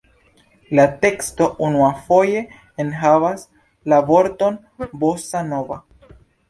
La teksto unuafoje enhavas la vorton „bossa-nova“.